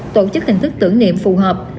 tổ chức hình thức tử niệm phù hợp